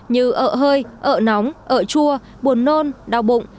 như ợ hơi ợ nóng ợ chua buồn nôn đau bụng